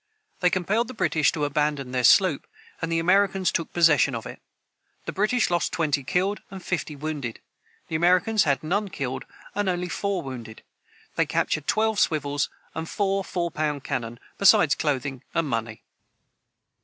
They compelled the British to abandon their sloop, and the Americans took possession of it. The British lost twenty killed and fifty wounded. The Americans had none killed, and only four wounded. They captured twelve swivels and four four pound cannon, besides clothing and money.